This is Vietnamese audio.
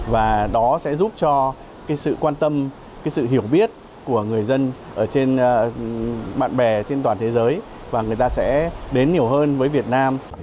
và đó sẽ giúp cho sự quan tâm sự hiểu biết của người dân ở trên bạn bè trên toàn thế giới và người ta sẽ đến nhiều hơn với việt nam